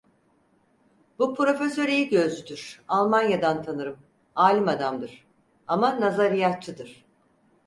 Bu profesör iyi gözcüdür. Almanya'dan tanırım. Alim adamdır. Ama nazariyatçıdır.